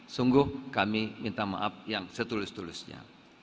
sungguh kami minta maaf yang setulus tulusnya